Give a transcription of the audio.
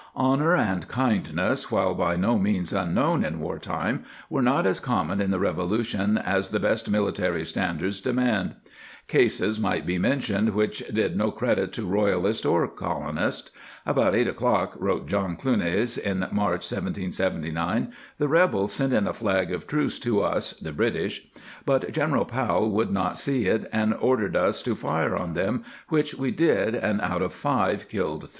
Honor and kindness, while by no means un known in war time, were not as common in the Revolution as the best military standards demand. Cases might be mentioned which did no credit to royalist or colonist. " About 8 o'clock," wrote John Clunes in March, 1779, "the Rebels sent in a Flagg of truse to us [the British], but Gen. Powell would not see [it] and ordered us to fire on them which we did and out of 5 killed 3."